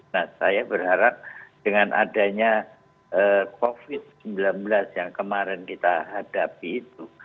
nah saya berharap dengan adanya covid sembilan belas yang kemarin kita hadapi itu